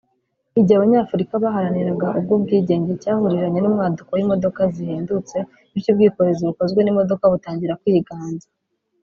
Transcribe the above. Igihe abanyafurika baharaniraga ubw’ubwigenge cyahuriranye n’umwaduko w’imodoka zihendutse bityo ubwikorezi bukozwe n’imodoka butangira kwiganza